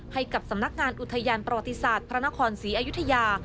ให้กับสำนักงานอุทยานประวัติศาสตร์พระนครศรีอยุธยา